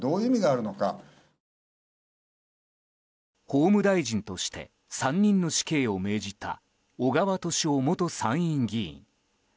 法務大臣として３人の死刑を命じた小川敏夫元参院議員。